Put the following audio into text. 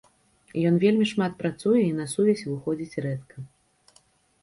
Ён вельмі шмат працуе і на сувязь выходзіць рэдка.